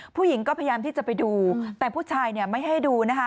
ผู้หญิงก็พยายามที่จะไปดูแต่ผู้ชายไม่ให้ดู